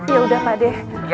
ya udah pade